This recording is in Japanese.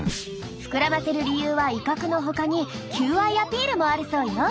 膨らませる理由は威嚇のほかに求愛アピールもあるそうよ。